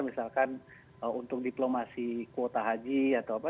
misalkan untuk diplomasi kuota haji atau apa